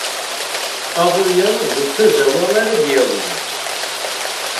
Aḍu-ya d tazawwa ara d-yawi.